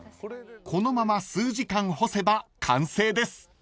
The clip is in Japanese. ［このまま数時間干せば完成です］